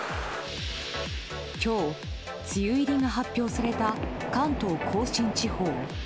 今日、梅雨入りが発表された関東・甲信地方。